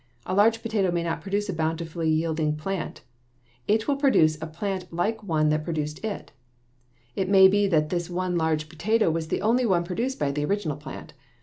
A large potato may not produce a bountifully yielding plant. It will produce a plant like the one that produced it. It may be that this one large potato was the only one produced by the original plant.